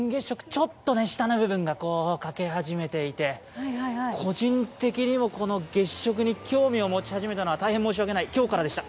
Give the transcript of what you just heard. ちょっと下の部分が欠け始めていて個人的にもこの月食に興味を持ち始めたのは大変申し訳ない、今日からでした。